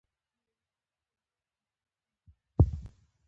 مجرده هغه استعاره ده، چي د مستعارله مناسبات یا صفات ذکر يي.